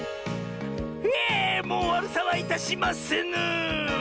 ひえもうわるさはいたしませぬ！